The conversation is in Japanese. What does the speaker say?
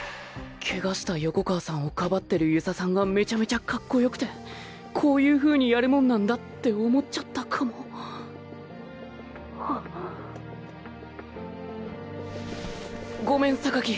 ケガした横川さんをかばってる遊佐さんがメチャメチャかっこよくてこういう風にやるもんなんだって思っちゃったかもごめん。